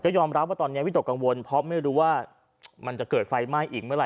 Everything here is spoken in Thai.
ยอมรับว่าตอนนี้วิตกกังวลเพราะไม่รู้ว่ามันจะเกิดไฟไหม้อีกเมื่อไห